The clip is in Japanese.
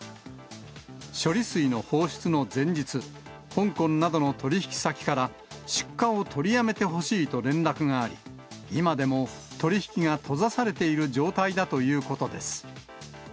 処理水の放出の前日、香港などの取り引き先から、出荷を取りやめてほしいと連絡があり、今でも取り引きが閉ざされている状態だということです。